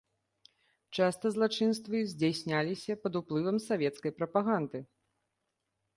Часта злачынствы здзяйсняліся пад уплывам савецкай прапаганды.